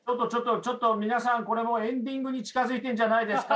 皆さんこれエンディングに近づいているんじゃないですか？